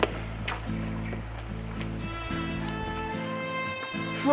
aisyah tunggu sebentar